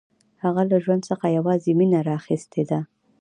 هغه له ژوند څخه یوازې مینه راخیستې ده